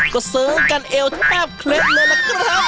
ก็เสิร์งกันเอวแทบเคล็ดเลยล่ะครับ